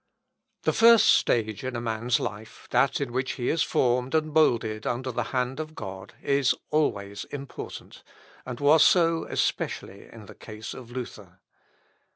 The first stage in a man's life, that in which he is formed and moulded under the hand of God, is always important, and was so especially in the case of Luther.